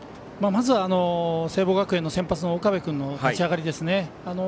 まずは、聖望学園の先発岡部君の立ち上がりですね。